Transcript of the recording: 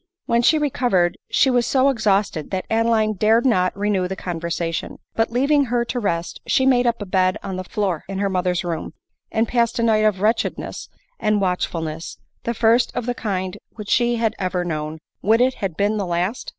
When she re covered she was so exhausted that Adeline dared not renew the conversation ; but leaving her to rest, she made up a bed on the floor in her mother's room, and passed a night of wretchedness and watchfulness — the first' of the kind which she had ever known. Would it had been the last!